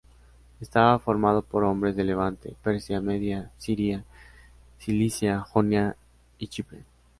Estaba formado por hombres de Levante, Persia, Media, Siria, Cilicia, Jonia y Chipre.